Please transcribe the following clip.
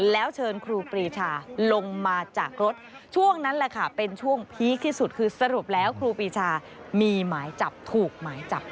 แล้วเชิญครูปรีชาลงมาจากรถช่วงนั้นแหละค่ะเป็นช่วงพีคที่สุดคือสรุปแล้วครูปีชามีหมายจับถูกหมายจับ